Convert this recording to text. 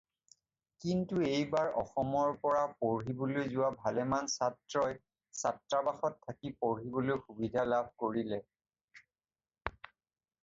কিন্তু সেইবাৰ অসমৰ পৰা পঢ়িবলৈ যোৱা ভালেমান ছাত্ৰই ছাত্ৰাবাসত থাকি পঢ়িবলৈ সুবিধা লাভ কৰিলে।